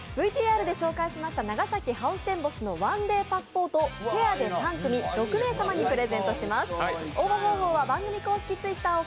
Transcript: ＶＴＲで紹介しました長崎ハウステンボスの１ＤＡＹパスポートをペアで３組６名様にプレゼントします。